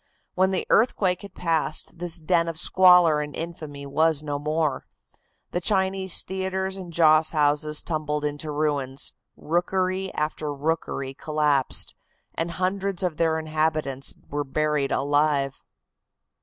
When the earthquake had passed this den of squalor and infamy was no more. The Chinese theatres and joss houses tumbled into ruins, rookery after rookery collapsed, and hundreds of their inhabitants were buried alive.